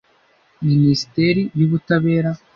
Minisiteri y’Ubutabera